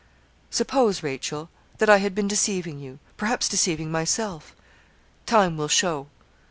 'Suppose, Rachel, that I had been deceiving you perhaps deceiving myself time will show.'